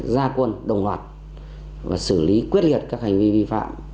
gia quân đồng loạt và xử lý quyết liệt các hành vi vi phạm